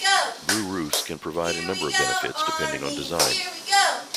Blue roofs can provide a number of benefits depending on design.